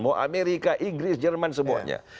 mau amerika inggris jerman semuanya